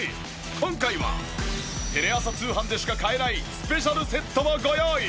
今回はテレ朝通販でしか買えないスペシャルセットもご用意。